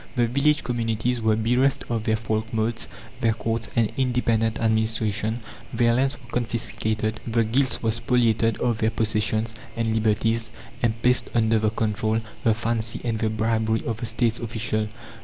The village communities were bereft of their folkmotes, their courts and independent administration; their lands were confiscated. The guilds were spoliated of their possessions and liberties, and placed under the control, the fancy, and the bribery of the State's official.